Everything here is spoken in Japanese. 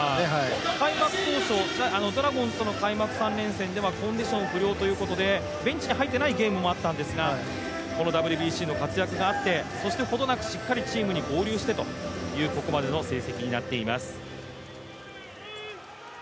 開幕当初、ドラゴンズとの開幕３連戦では、コンディション不良ということでベンチに入っていないゲームもあったんですがＷＢＣの活躍もあってそして程なくしっかりチームに合流してという流れになっています。